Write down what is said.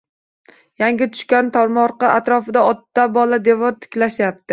Yangi tushgan tomorqa atrofida ota-bola devor tiklashayapti.